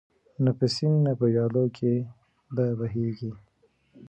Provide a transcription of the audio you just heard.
نه په سیند نه په ویالو کي به بهیږي